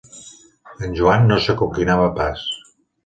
...en Joan no s'acoquinava pas